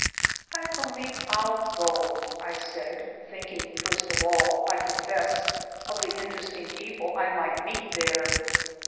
"I believe I'll go," I said, thinking first of all, I confess, of the interesting people I might meet there.